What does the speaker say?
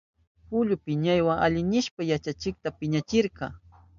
Julio piñaywa aynishpan yachachikta piñachirka.